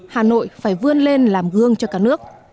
hà nội phải vươn lên làm gương cho cả nước